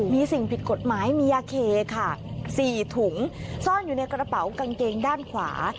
มีสิ่งผิดกฎหมายมียาเคค่ะ๔ถุงซ่อนอยู่ในกระเป๋ากางเกงด้านขวา